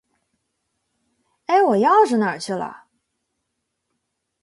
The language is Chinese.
哎，我钥匙哪儿去了？